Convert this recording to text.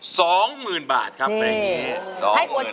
สองหมื่นบาทครับเพลงนี้